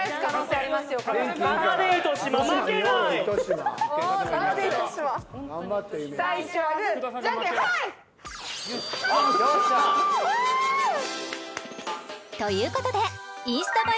あ！ということでインスタ映え